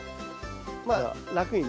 まあ楽にね。